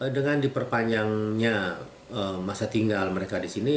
dengan diperpanjangnya masa tinggal mereka di sini